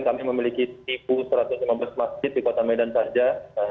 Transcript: kami memiliki seribu satu ratus lima belas masjid di kota medan saja